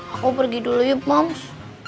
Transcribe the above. aku pergi dulu yuk map